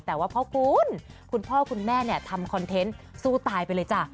แต่ว่าพ่อคุณคุณพ่อคุณแม่เนี่ยทำคอนเทนต์สู้ตายไปเลยจ้ะ